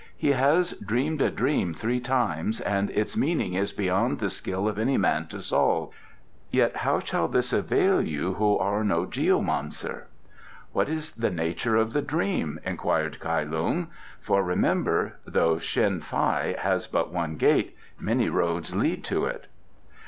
He has dreamed a dream three times, and its meaning is beyond the skill of any man to solve. Yet how shall this avail you who are no geomancer?" "What is the nature of the dream?" inquired Kai Lung. "For remember, 'Though Shen fi has but one gate, many roads lead to it.